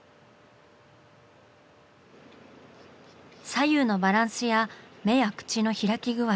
左右のバランスや目や口の開き具合。